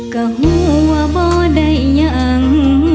กะหูว่าบ่ได้ยัง